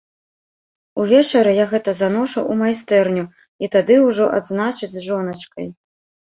Увечары я гэта заношу ў майстэрню, і тады ўжо адзначыць з жоначкай.